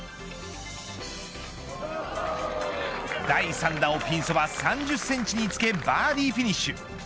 第３打をピンそば３０センチにつけバーディーフィニッシュ。